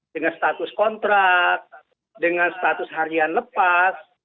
dengan status kontrak dengan status harian lepas